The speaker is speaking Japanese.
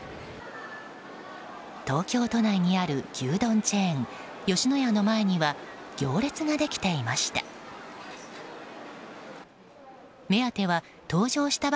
東京都内にある牛丼チェーン吉野家の前には行列ができていました。